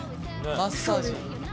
マッサージ。